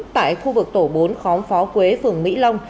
tại khu vực tổ bốn khóm phó quế phường mỹ long